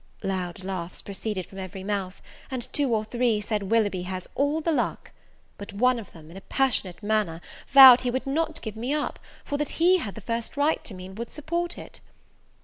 Loud laughs proceeded from every mouth, and two or three said Willoughby has all the luck! But one of them, in a passionate manner, vowed he would not give me up, for that he had the first right to me, and would support it.